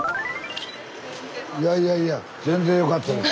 いやいやいや全然よかったよ。